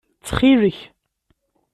Ttxil-k.